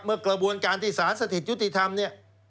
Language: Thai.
กระบวนการที่สารสถิตยุติธรรมเนี่ย